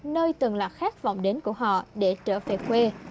nơi từng là khát vọng đến của họ để trở về quê